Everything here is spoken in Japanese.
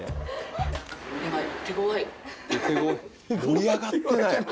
盛り上がってない。